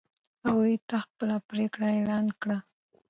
هغوی ته یې خپله پرېکړه اعلان کړه.